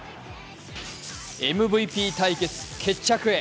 ＭＶＰ対決、決着へ。